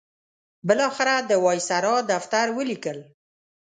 بالاخره د وایسرا دفتر ولیکل.